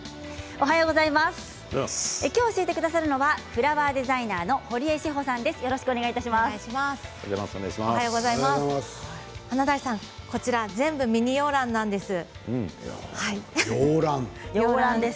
今日、教えてくださるのはフラワーデザイナーの堀江志穂さんです。